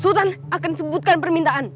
sultan akan sebutkan permintaan